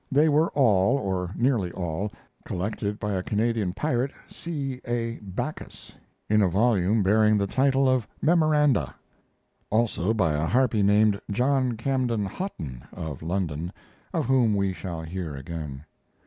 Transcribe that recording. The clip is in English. They were all, or nearly all, collected by a Canadian pirate, C. A. Backas, in a volume bearing the title of Memoranda, [Also by a harpy named John Camden Hotten (of London), of whom we shall hear again.